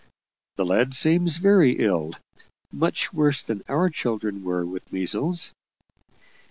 "The lad seems very ill. Much worse than our children were with measles."